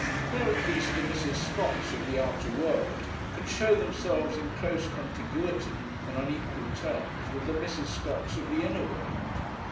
There at least the Mrs. Scotts of the outer world can show themselves in close contiguity, and on equal terms, with the Mrs. Scotts of the inner world.